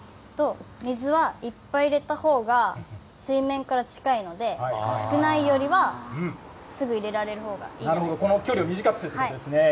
水はいっぱい入れたほうが水面から近いので、少ないよりはすなるほど、この距離を短くするということですね。